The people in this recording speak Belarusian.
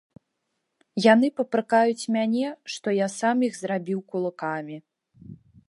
Яны папракаюць мяне, што я сам іх зрабіў кулакамі.